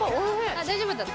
大丈夫だった？